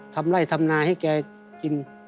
ทำไล่ทำนาให้แกกิน